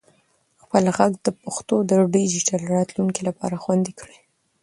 خپل ږغ د پښتو د ډیجیټل راتلونکي لپاره خوندي کړئ.